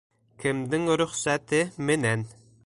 Кемдең рөхсәте менән?